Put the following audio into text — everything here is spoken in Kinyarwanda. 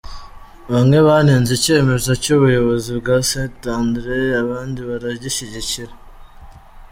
Bamwe banenze icyemezo cy’ubuyobozi bwa Saint Andire abandi baragishyigikira.